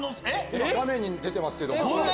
今画面に出てますけど。